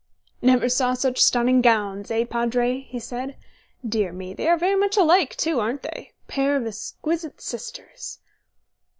"Never saw such stunning gowns, eh, Padre?" he said. "Dear me, they are very much alike too, aren't they? Pair of exquisite sisters."